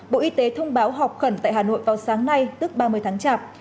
bộ y tế thông báo họp khẩn tại hà nội vào sáng nay tức ba mươi tháng chạp